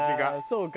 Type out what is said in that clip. そうか。